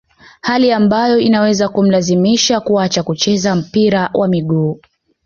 hali ambayo inaweza kumlazimisha kuacha kucheza mpira wa miguu